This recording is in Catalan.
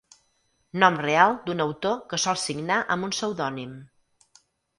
Nom real d'un autor que sol signar amb un pseudònim.